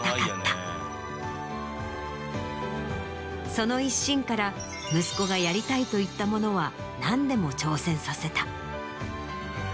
その一心から息子が「やりたい」と言ったものは何でも挑戦させた。